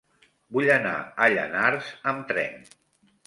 Vull anar a Llanars amb tren.